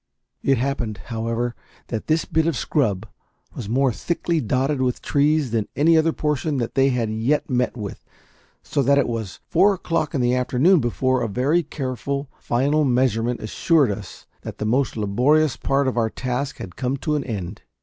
It happened, however, that this bit of scrub was more thickly dotted with trees than any other portion that they had yet met with, so that it was four o'clock in the afternoon before a very careful final measurement assured us that the most laborious part of our task had come to an end.